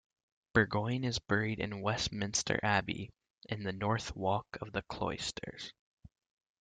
Burgoyne is buried in Westminster Abbey, in the North Walk of the Cloisters.